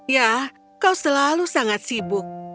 ya kau selalu sangat sibuk